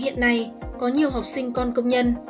hiện nay có nhiều học sinh con công nhân